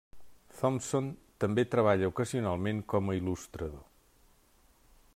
Thompson també treballa ocasionalment com a il·lustrador.